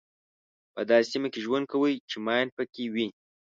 په داسې سیمه کې ژوند کوئ چې ماین پکې وي.